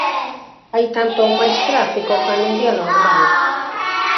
Hai tanto ou máis tráfico ca nun día normal.